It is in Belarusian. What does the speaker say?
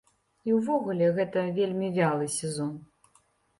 І ўвогуле гэта вельмі вялы сезон.